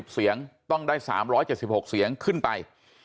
เสียงต้องได้๓๗๖เสียงขึ้นไป